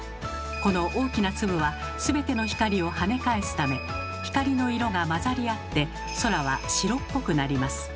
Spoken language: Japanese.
この大きな粒は全ての光をはね返すため光の色が混ざり合って空は白っぽくなります。